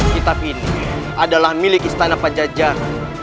kitab ini adalah milik istana pak jajah